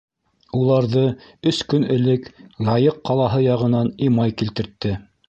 Уларҙы өс көн элек Яйыҡ ҡалаһы яғынан Имай килтертте.